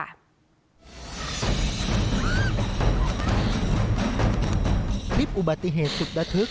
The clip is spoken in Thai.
คลิปอุบัติเหตุสุดระทึก